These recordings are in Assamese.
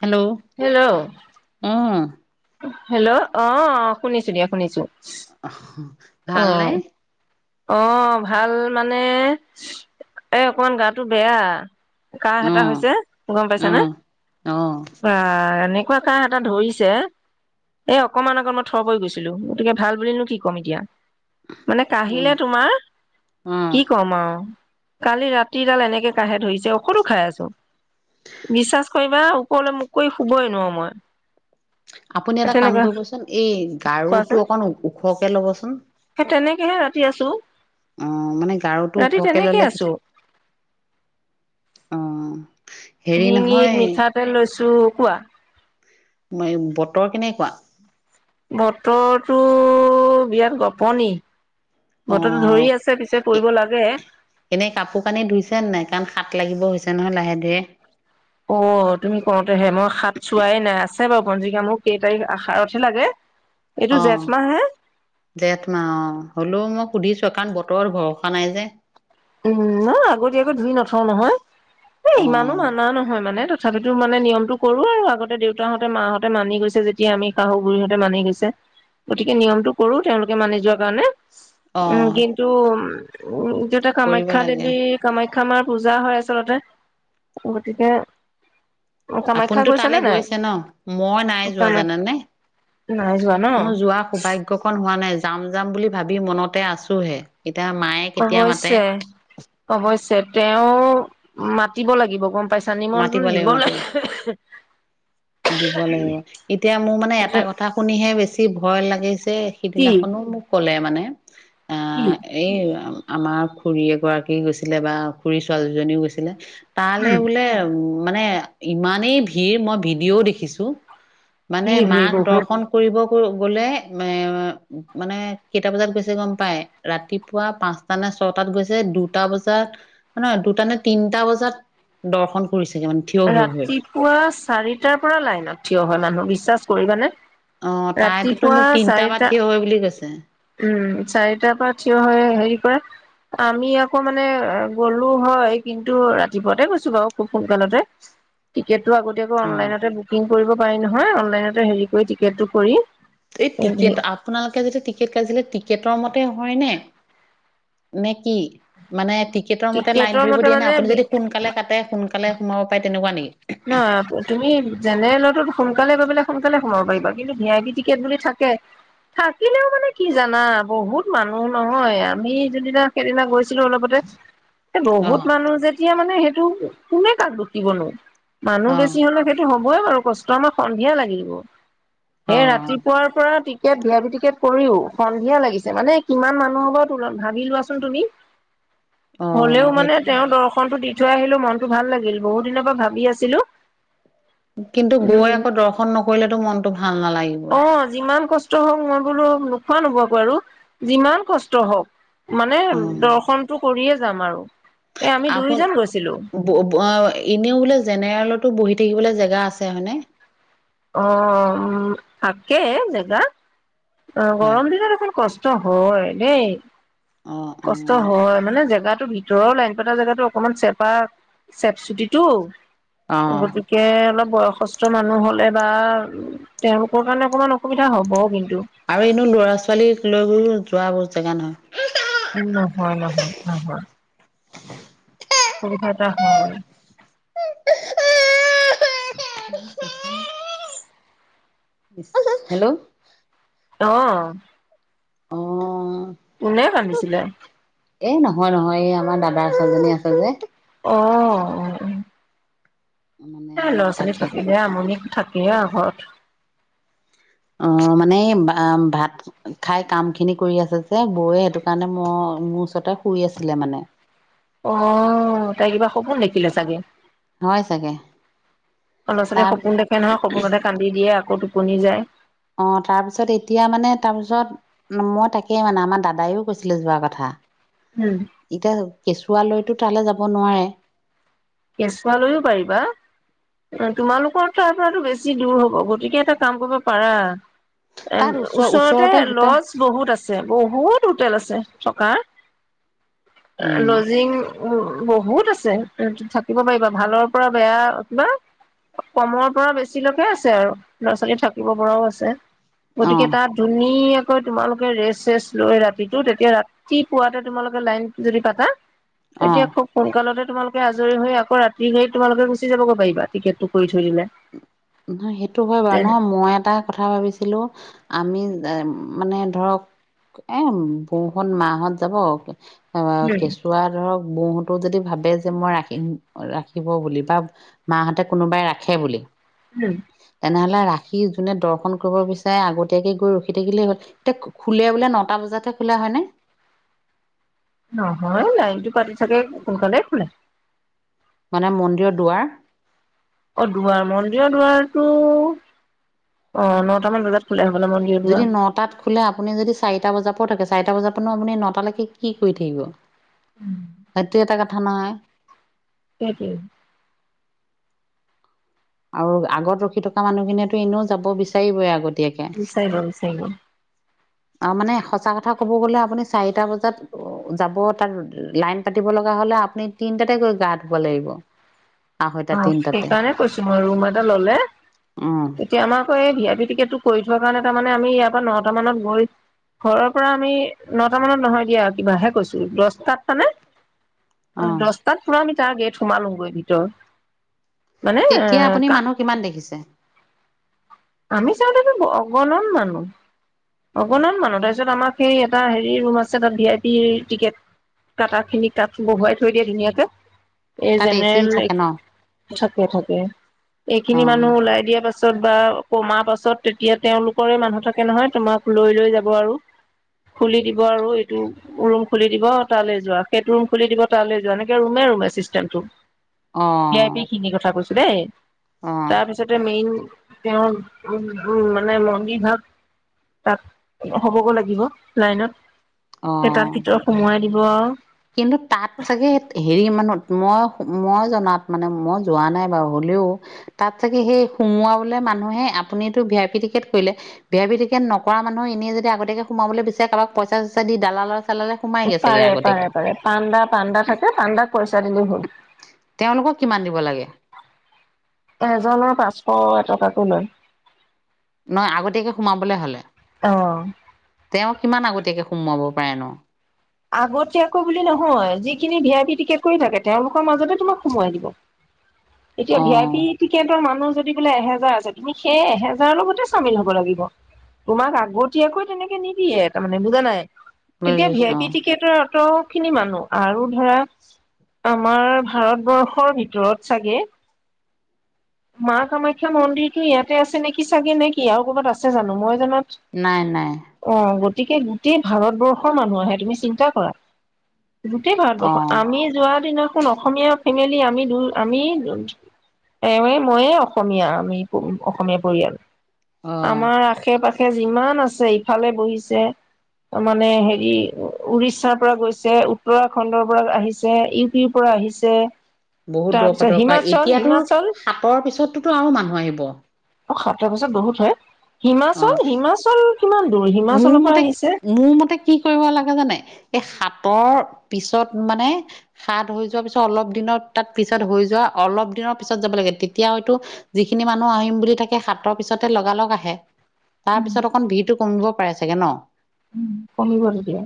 হেল্ল' হেল্ল' অহ হেল্ল' অ শুনিছো দিয়া শুনিছো। অহ ভাল নে অহ ভাল মানে এ অকণমান গাটো বেয়া কাহ অ এটা হৈছে গম অ পাইছানে অ বা এনে অ কাৰ হাতত ধৰিছে এ অকমান আগত মই থৰ পৰি গৈছিলো গতিকে ভাল বুলি নো কি ক'ম এতিয়া। মানে অ কাঢ়িলে তোমাৰ অ কি কম আৰু কালি ৰাতিডাল এনেকে কাঢ়ে ধৰিছে ঔষধ ও খাই আছো বিশ্বাস কৰিবা ওপৰলৈ মোৰ কৰি শুবই নোৱাৰো মই। আপুনি এটা কাম তেনেকুৱা কৰিবচোন এই কোৱাচোন গাৰুটো অকন ওখকে ল'বচোন সেহে ৰাতি আছো অহ মানে গাৰুতটো ৰাতি ওখকে তেনেকে ল'লে কি আছো কি ডিঙিত মিঠাতেল লৈছো ত কোৱা, ম বতৰ কেনেকুৱা? বতৰটো বিৰাট গপনি। অ বতৰো ধৰি আছে পিছে পৰিব লাগে। শাত লাগিব হৈছে নহয় লাহে ধীৰে অ' তুমি কওঁতেহে মই সাত চোৱাই নাই আছো আছে বাৰু পঞ্জিকা মোৰ কেই তাৰিখ আহাৰতহে লাগে? এইটো অ জেঠ মাহ হে 'জেঠ মাহ অ' হ'লেও মই সুধিছো! কাৰণ বতৰৰ ভৰসা নাই যে। ইমান আগতীয়াকৈ ধুই নথও নহয়। এ অ ইমানো মানা নহয় মানে তথা তথাপিতো মানে নিয়মটো কৰো আৰু আগতে দেউতাহঁতে মাহঁতে মানি গৈছে যেতিয়া আমি শাহু বুঢীহঁতে মানি গৈছে গতিকে নিয়মটো কৰো তেওঁলোকে মানি যোৱা কাৰণে। অ উম কিন্তু উম কৰিব কামাখ্যা লাগে দেৱী কামাখ্যা খামাৰ পূজা হয় আচলতে গতিকে কামাখ্যা আপোনিতো গৈছা নে তালৈ নাই? গৈছে ন মই নাই যোৱা কামাখ জানানে নাই যোৱা ন? মোৰ যোৱা সৌভাগ্য কন হোৱা নাই। যাম যাম বুলি ভাবি মনতে আছোহে! এতিয়া মায়ে কেতিয়া মাতে অৱশ্যে অৱশ্যে তেওঁ মাতিব লাগিব গম পাইছা নিমন্ত্ৰণ মাতিব দিব লাগিব মাতিব লাগিব লাগিব এতিয়া মোৰ মানে এটা কথা শুনিহে বেছি ভয় লাগিছে যে কি সিদিনাখনো মোক ক'লে মানে। [inaudible] আ কি এই আমাৰ খুৰী এগৰাকী গৈছিলে বা খুৰী ছোৱালীজনীও গৈছিলে। তালে উম, বোলে উ মানে ইমানেই ভিৰ মই ভিডিঅ'ও দেখিছো। মানে ভিৰ ভিৰ মাক বহুত। দৰ্শন কৰিব গলে এ মানে কেইটা বজাত গৈছে গম পাই ৰাতিপুৱা পাঁচটা নে ছয়টাত গৈছে দুটা বজাত নাহয় দুটা নে তিনটা বজাত দৰ্শন কৰিছেগে মানে থিয় হৈ হৈ ৰাতিপুৱা চাৰিটাৰ পৰা লাইনত থিয় হয় মানুহ বি বিশ্বাস কৰিবানে! অ তাইতোতো ৰাতিপুৱা মোক তিনটা বা চাৰিটা থিয় হৈ বুলি কৈছে উম চাৰিটাৰ পৰা থিয় হয় হেৰি কৰে আমি আকৌ মানে গ'লো হয় কিন্তু ৰাতিপুৱাতে গৈছো বাৰু খুব সোনকালতে। টিকেট ত আগতীয়াককৌ অ অনলাইনতে বুকিং কৰিব পাৰি নহয় জেগাটো হেৰি কৰি টিকেটটো কৰি এই টিকেট আপোনালোকে যেটো টিকেট কাটিছিলে টি টিকেটৰ মতে হয় ন নে কি মানে টিকেটৰ মতে লাইন ধৰি মতে দিয়া নে মানে আপুনি যদি সোনকালে কাটে সোনকালে সোমাব পাৰে তেনেকুৱা নেকি? নহ তুমি জেনেৰেলতো সোনকালে পেলাই সোনকালে সোমাব পাৰিবা কিন্তু ভি আই পি টিকেট বুলি থাকে। থাকিলেও মানে কি জানা বহুত মানুহ নহয় আমি যোনদিনা সেইদিনা গৈছিলো অলপতে এ অ বহুত মানুহ যেতিয়া মানে সেই তো কোনে কাক লুটিবলৈ মানুহ অ বেছি হলে সেইটো হ হৈ বাৰু কষ্ট আমাৰ সন্ধিয়া লাগিব। অ সেই ৰাতিপুৱাৰ পৰা কে ভি আই পি টিকেট কৰিও সন্ধিয়া লাগিছে মানে কিমান মানুহ হব তুল ভাবি লোৱাচোন তুমি। অ হ'লেও মানে সেইটো তেওঁ হয় দৰ্শনতটো দি থৈ আহিলে মনো ভাল লাগিল বহু দিনৰ পৰা ভাবি আছ ছিলো। কিন্তু গৈ আকৌ দৰ্শন নকৰিলেতো মনটো ভাল নালাগিব। অ যিমান কষ্ট হওক মই বোলো নোখোৱা নোবোৱাকে আৰু যিমান কষ্ট হওক মানে অ দৰ্শনটো কৰিয়ে যাম আৰু। এ আমি আপোন দুইজন গৈছিলো এনেও বোলে জেনেৰেলত টো বহি থাকিবলৈ জেগা আছে হয়নে? আছে জেগা। অ হয় গৰম দিনত দেখোন কচ টো হয় দেই। অ অ কষ্ট হয় মানে জেগাত টো ভিতৰৰ লাইন পতা জেগাতো অকনমান চেপা চেপ চুটিটো। অ গতিকে অলপ বয়সস্থ মানুহ হ'লে। বা তেওঁলোকৰ কাৰণে অকমান অসুবিধা হব কিন আৰু এনো ল'ৰা ছোৱালীক লৈ গলো যোৱা ব জেগা নহয় নহয় নহয় নহয়। সেইটো কথা হয়। উহু হেল্ল' অঅঅ অ কোনে ভামিছিলে? এ নহয় নহয় এই আমাৰ দাদাৰ ছোৱালী জনী আছে যে অ অ অ মানে এ ল'ৰা ছোৱালী তাকে থাকিলে আমনি থাকে এয়া ঘৰত। অ মানে ভাত খাই কাম খিনি কৰি আছে যে বৌয়ে সেইটো কাৰণে ম মোৰ ওচৰতে শুই আছিলে মানে অ তাই কিবা সপোন দেখিলে চাগে। হয় চাগে লৰা ছোৱালী তাৰ সপোন দেখে নহয় সপোনতে কান্দি দিয়ে আকৌ কনি যায় অ তাৰপিছত এতিয়া মানে তাৰপিছত মই তাকে মানে আমাৰ দাদাইও কৈছিলে যোৱা কথা। উম ইটা কেচ পোৱালৈতো তালৈ যাব নোৱাৰে। কেঁচুৱ লৈও পাৰিবা তোমালোকৰ তাৰ পৰাতো বেছি দূৰ হব গতিকে এটা কাম কৰিব পাৰা। এ তাত ওচৰ ওচৰতে হোটেল লজ বহুত আছে বহুত হোটেল আছে চকা? উম লজিং উ বহুত আছে উম থাক থাকিব পাৰিবা ভালৰ পৰা বেয়া তোমাৰ কমৰ পৰা বেছিলৈকে আছে আৰু ল'ৰা ছোৱালী থাকিব পৰাও আছে অ গতিকে তাত ধুনীয়া ক তোমালোকে ৰেষ্ট চেষ্ট লৈ ৰাতিটো তেতিয়া ৰাতিপুৱাতে তোমালোকে লাইন যদি পাতা তেতিয়া অ খুব সোনকালৰ তোমালোকে আজৰি হৈ অ ৰাতি গৈ তোমালে গুচি যাব পাৰিবা টিকেটটো কৰি থৈ দিলে ন সেইটো হয় বাৰু নহয় মই এটা কথা ভাবিছিলো আমি মানে ধৰক এ বৌহত মাহত যাব অ উম, কেঁচুৱা ৰ বৌহতো যদি ভাবে যে মই ৰাখিম ৰাখিব বুলি বা মা হঁতে কোনোবাই ৰাখ হে বুলি উম ৰাখি যোনে দৰ্শন কৰিব বিচাৰে আগতীয়াকে গৈ ৰখি থাকিলেই হ'ল এতিয়া খোলে বোলে নটা বজাতহে খোলা হয় নে। নহয় লাইনটো কাটি থাকে সোনকালে খোলে মানে মন্দিৰৰ দুৱাৰ অ দুৱাৰ মন্দিৰ দুৱাৰতটো অ নটামান বজাত খোলো হয় যদি নটাত খোলে আপুনি যদি চাৰিটা বজাত। থাকে চাৰিটা বজাৰ পনো আপুনি নটালৈকে কি কৰি থাকিব। [inaudible] থানাই। [inaudible] আৰু আগত ৰখি থকা মানুহখিনিয়ে টো এনেও যাব বিচাৰিবই আগত। বিচাৰিব বিচাৰিব আৰু মানে সঁচা কথা কব গলে আপুনি চাৰিটা বজাত যাব তাত লাইন পাতিব লগা হলে আপুনি তিনটাতে গৈ গা ধুব লাগিব। আঢ়ৈটা অ। তিনটাতে সেইকাৰণে কৈছো মই ৰুম এটা ললে উম তেতিয়া আমাকো এই ভি আই পি টিকেট টো কৰি থোৱা কাৰণে তাৰ মানে আমি ইয়াৰ পৰা নটা মানত গৈ ঘৰৰ পৰা আমি নটা মানত নহয় দিয়া কিবা হে কৈছো দচটাত মানে অ দচটাত পুৰা আমি তাৰ গেট সোমালোগৈ ভিতৰত। মানে এ তেতিয়া আপুনি কা মানুহ কিমান দেখিছে? আমি চাওঁতে টো ব - অগনন মানুহ। অকনমান মানুহ তাৰপিছত আমাক সেই এটা হেৰি ৰুম আছে তাত ভি আই পিৰ টিকেট কাটা খিনি বহুৱাই থৈ দিয়ে ধুনীয়াকে। এই তাত এচি জেনেৰেল থাকে ন থাকে - থাকে অ এইখিনি মানুহ ওলাই দিয়া পাছত ছত বা [unintelligible] লৈ লৈ যাব আৰু খুলি দিব আৰু এইটো ৰুম- ৰুম খুলি দিব তালৈ যোৱা, সেইটো ৰুম খুলি দিব তালৈ যোৱা, এনেকে ৰুমে ৰুম এ চিষ্টেমটো। অ ভি আই পি খিনি কথা কৈছো। দেই। অ তাৰপিছতে মেইন তেওঁ উ - উ মানে মনি ভাগ তাত হ'ব গৈ লাগিব লাইনত। [unintelligible] অ ভিতৰত সুমুৱাই দিব। কিন্তু তাত চাগে হেৰি মানুহ মই-মই জনাত মানে মই যোৱা নাই বাৰু হ'লেও তাত চাগে সেই সোমোৱাবলে মানুহে আপুনিতো ভি আই পি টিকেট কৰিলে, ভি আই পি টিকেট নকৰা মানুহে এনে যদি আগতীয়াকে সোমাব বিচাৰে কাৰোবাক পইচা চইচা দি দালাল সোমাইগে ছাগে পাৰে আগতীয়াকে পাৰে পাৰে পাণ্ডা - পাণ্ডা থাকে পাণ্ডা। তেওঁলোকক কিমান দিব লাগে? এজনৰ পাঁচশ এটকাকো লয়। নহয় আগতীয়াকে সোমাবলৈ হলে? অ তেওঁ কিমান আগতীয়াকে সোমোৱাব পাৰে নো? আগতীয়াকৈ বুলি নহয় যিখিনি ভি আই পি টিকেট কৰি থাকে তেওঁলোকৰ মাজতে তোমাক সোমাই দিব। এতিয়া অ ভি আই পি টিকেটৰ মানুহ যদি বোলে এহেজাৰ আছে তুমি সেই এহেজাৰৰ লগতে চামিল হব লাগিব। তোমাক আগতীয়াকৈ তেনেকে নিদিয়ে তাৰমানে বুজা নাই? বছা ত খিনি মানুহ আৰু ধৰা আমাৰ ভাৰতবৰ্ষৰ ভিতৰত চাগে। মা কামাখ্যা মন্দিৰতো ইয়াতে আছে নেকি চাগে নে কি আৰু কৰ'ৰবাত আছে জানো মই জানাত। নাই, নাই গতিকে গোটেই ভাৰতবৰ্ষৰ মানুহ আহে তুমি চিন্তা কৰা। গোটেই অ ভাৰতবৰ্ষ আমি যোৱাৰ দিনাত কোন অসমীয়া ফেমিলি আমি দু আমি। তেয়ে মইয়ে অসমীয়া আমি অসমীয়া পৰিয়াল অ আমাৰ আশে-পাশে যিমান আছে ইফালে বহিছে মানে হেৰি উৰিষ্যাৰ পৰা গৈছে উত্তৰাখণ্ডৰ পৰা আহিছে ইউ পি পৰা আহিছে। বহুত তাৰপিছত দৰকাৰ-দৰকাৰ হিমাচল এতিয়াতো হিমাচল চাপৰ পিছতোতো আৰু মানুহ আহিব। অ সাতটা বছত বহুত হয়। অ হিমাচল হিমাচল কিমান? দূৰ হিমাচলৰ মোৰ পৰা মতে আহিছে মোৰ মতে কি কৰিব লাগে জানে। এই সাতৰ পিছত মানে হাত হৈ যোৱাৰ পিছত অলপ দিনৰ তাত পিছত হৈ যোৱা অলপ দিনৰ পিছত যাব লাগে তেতিয়া হয়তো যিখিনি মানুহ আহিম বুলি থাকে সাতৰ পিছতে লগালগ আহে। তাৰপিছত অকণ ভিটো পাই চাগে ন? উ কমিব দা এতিয়া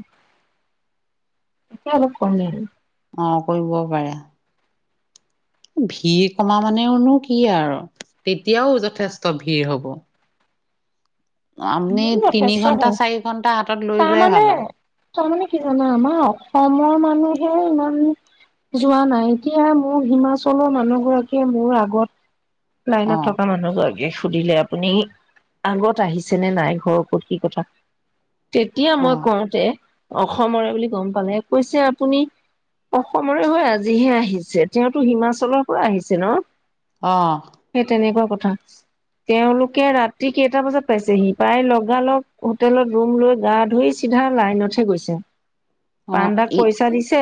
অলপ কমে আৰু। অ কৰিব পাৰে। ভিৰ কমা মানেওনো কি আৰু তেতিয়াও যথেষ্ট ভিৰ হব। আমি তিনি যথেষ্ট হয় ঘন্টা চাৰি ঘন্টা হাতত লৈ যোৱাই ভাল আৰু। তাৰ মানে কি জানা আমাৰ অসমৰ মানুহে ইমান যোৱা নাই এতিয়া মোৰ হিমাচলৰ মানুহ গৰাকীয়ে মোৰ আগত। অ লাইনত থকা মানুহ ছাগে। সুধিলে আপুনি আগত আহিছে। আহিছে নে নাই ঘৰৰ কত ওপৰত কি কথা। তেতিয়া অ মই কওঁতে অসমৰে বুলি গম পালে কৈছে আপুনি অসমৰে হৈ আজিহে আহিছে তেওঁতো হিমাচলৰ পৰা আহিছে ন। সেই তেনেকুৱা কথা। তেওঁলোকে ৰাতি কেইটা বজাত? পাইছেহি প্ৰায় লগালগ হোটেলত ৰুম লৈ গা ধুই চিধা লাইনতহে গৈছে। অ অ পাণ্ডাক ই পইচা দিছে।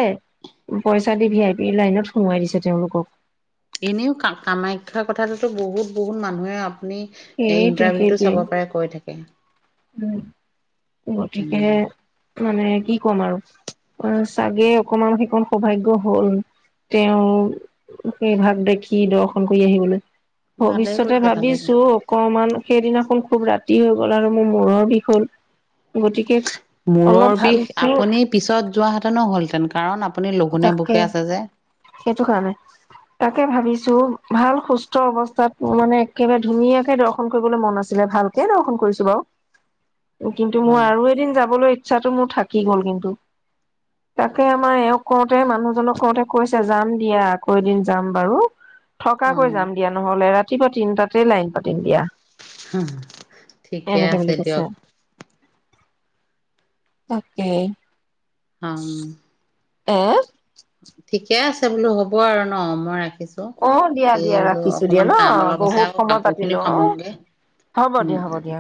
পইচা দি ভি আই পি লাইনত সোমোৱাই দিছে তেওঁলোকক। এনেও ক কামাখ্যাৰ কথাটোতো বহুত বহুত মানুহে। আপুনি সেইটোৱে ইন্টাৰভিউতটো সেইটোৱে চাব পাৰে কৈ থাকে। উম গতিকেে মানে কি কম আৰু অচ চাগে অকমান সেইকণ সৌভাগ্য হ'ল তেওঁ সেই ভাগ দেখি দৰ্শন কৰি আহিবলৈ ভালে ভৱিষ্যতে কৰিছে ভালে ভাবিছো কৰিছে অকমান সেইদিনাখন খুব ৰাতি হৈ গ'ল আৰু মোৰ মূৰৰ বিষ হ' মূৰৰ বিষ আপুনি পিছত যোৱাহেতেনো হ'লহেতেন কাৰণ আপুনি লঘোনেে তাকে বুকে আছে যে সেইটো কাৰণে তাকে ভাবিছো ভাল সুস্থ অৱস্থাত মানে একেবাৰে ধুনীয়াকে দৰ্শন কৰিবলৈ মন আছিলে ভালকে দৰ্শন কৰিছো বাৰু কিন্তু মই হয় আৰু এদিন যাবলৈ ইচ্ছাতটো মোৰ থাকি গ'ল কিন্তু তাকে আমাৰ এওঁক কৰওঁতে মানুহজনক কৰওঁতে কৈছে যাম দিয়া আকৌ এদিন যাম বাৰু অ থকাকৈ যাম দিয়া নহ'লে এ ৰাতি ৰাতিপুৱা তিম তাতে লাইন পাতিম দিয়া ঠিকে এনেকে আছে বুলি কৈছে দিয়ক অকে উম আহ সেই বোলো হ'ব আৰু ন মই ৰাখিছো অ দিয়া এই দিয়া বোলো ৰাখিছো দিয়া অকমান ন কাম অলপ আছে বহুত আৰু সময় কাপোৰ খিনি পাতিলো অ সামোগে হ'ব উম দিয়া হ'ব দিয়া